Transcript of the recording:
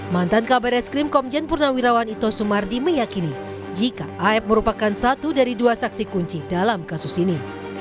mantan kabar eskrim komjen purnawirawan ito sumardi meyakini jika af merupakan satu dari dua saksi kunci dalam kasus ini